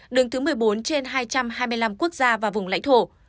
đứng thứ một mươi bốn trên hai trăm hai mươi năm quốc gia và vùng lãnh thổ